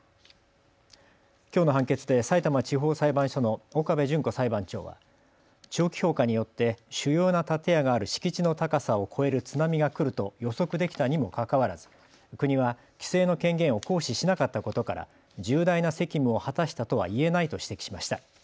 きょうの判決でさいたま地方裁判所の岡部純子裁判長は長期評価によって主要な建屋がある敷地の高さを超える津波が来ると予測できたにもかかわらず国は規制の権限を行使しなかったことから重大な責務を果たしたとは言えないと指摘しました。